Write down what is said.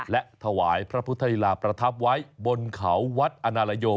และถวายพระพุทธิลาประทับไว้บนเขาวัดอนาลโยม